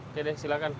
oke deh silahkan